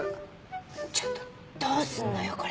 ちょっとどうすんのよこれ。